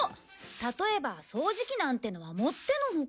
例えば掃除機なんてのはもってのほか。